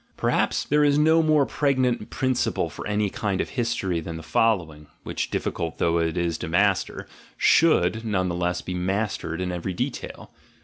Per haps there is no more pregnant principle for any kind of history than the following, which, difficult though it is to master, should none the less be mastered in every detail.